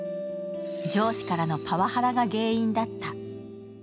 上司からのパワハラが原因だった。